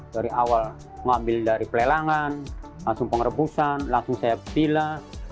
dari awal ngambil dari pelelangan langsung pengerebusan langsung saya pilas